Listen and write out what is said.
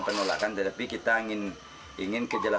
pertanyaan terakhir mengapa ini terjadi